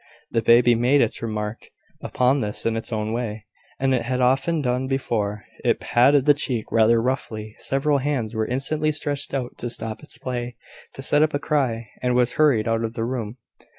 The baby made its remark upon this in its own way. As it had often done before, it patted the cheek rather roughly: several hands were instantly stretched out to stop its play; it set up a cry, and was hurried out of the room.